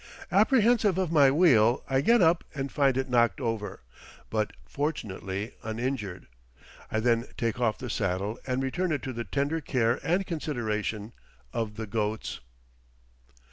Apprehensive of my wheel, I get up and find it knocked over, but, fortunately, uninjured; I then take off the saddle and return it to the tender care and consideration of the goats.